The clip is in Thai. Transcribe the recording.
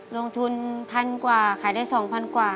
ลงทุนพันกว่าขายได้สองพันกว่า